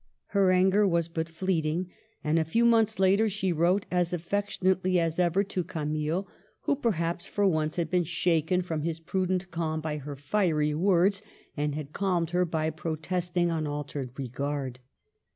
Her anger was but fleeting, and a few months later she wrote as affectionately as ever to Camille, who, perhaps, for once had been shaken from his prudent calm by her fiery words, and had calmed her by pro testing unaltered regard.